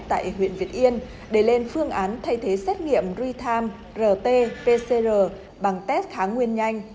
tại huyện việt yên để lên phương án thay thế xét nghiệm ritam rt pcr bằng test khá nguyên nhanh